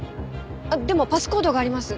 あっでもパスコードがあります。